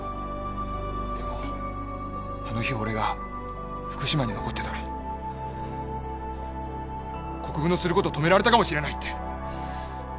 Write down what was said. でもあの日俺が福島に残ってたら国府のすること止められたかもしれないって。